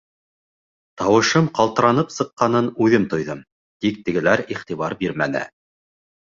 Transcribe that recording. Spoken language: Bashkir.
Тауышым ҡалтыранып сыҡҡанын үҙем тойҙом, тик тегеләр иғтибар бирмәне.